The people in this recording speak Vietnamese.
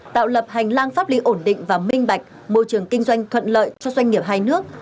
tạo lập hành lang pháp lý ổn định và minh bạch môi trường kinh doanh thuận lợi cho doanh nghiệp hai nước